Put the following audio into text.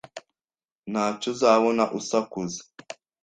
Ntacyo uzabona usakuza.